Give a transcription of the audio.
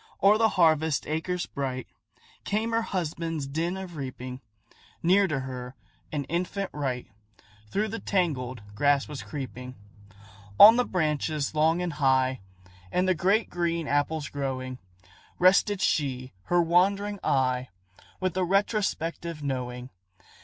O'er the harvest acres bright, Came her husband's din of reaping; Near to her, an infant wight Through the tangled grass was creeping. On the branches long and high, And the great green apples growing, Rested she her wandering eye, With a retrospective knowing.